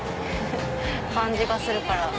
感じがするから。